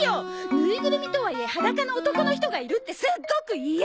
ぬいぐるみとはいえ裸の男の人がいるってすっごく嫌！